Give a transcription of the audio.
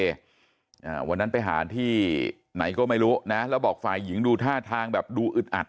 อ่าวันนั้นไปหาที่ไหนก็ไม่รู้นะแล้วบอกฝ่ายหญิงดูท่าทางแบบดูอึดอัด